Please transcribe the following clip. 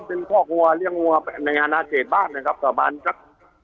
เป็นพ่อครัวเลี้ยงวัวในอนาเศษบ้านนะครับประมาณสัก